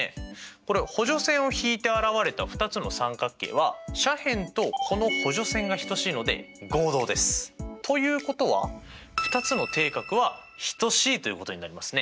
これ補助線を引いて現れた２つの三角形は斜辺とこの補助線が等しいので合同です！ということは２つの底角は等しいということになりますね！